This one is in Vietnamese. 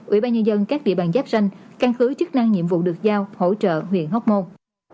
ủy ban nhân dân các địa bàn giáp danh căn cứ chức năng nhiệm vụ được giao hỗ trợ huyện hóc môn